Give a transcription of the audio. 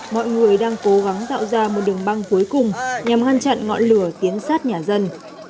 mọi người đang cố gắng tạo ra một đường băng cuối cùng nhằm ngăn chặn ngọn lửa tiến sát nhà dân